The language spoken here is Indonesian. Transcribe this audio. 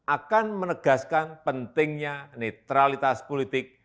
akan menegaskan pentingnya netralitas politik